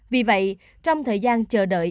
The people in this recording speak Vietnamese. vì vậy trong thời gian chờ đợi